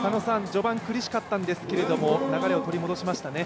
序盤苦しかったんですけれども、流れを取り戻しましたね。